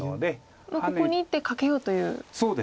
ここに１手かけようという。